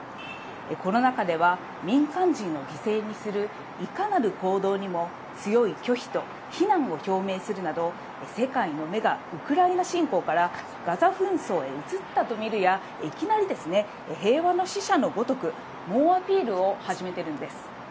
この中では、民間人を犠牲にするいかなる行動にも強い拒否と非難を表明するなど、世界の目がウクライナ侵攻からガザ紛争へ移ったと見るや、いきなり平和の使者のごとく、猛アピールを始めてるんです。